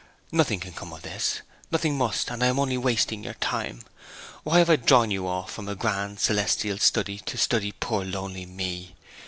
Nothing can come of this, nothing must, and I am only wasting your time. Why have I drawn you off from a grand celestial study to study poor lonely me?